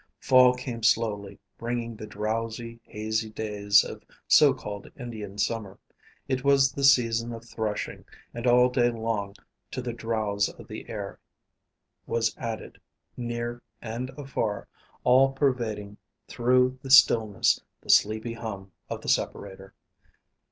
Fall came slowly, bringing the drowsy, hazy days of so called Indian Summer. It was the season of threshing, and all day long to the drowse of the air was added, near and afar, all pervading through the stillness, the sleepy hum of the separator.